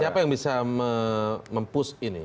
siapa yang bisa mempush ini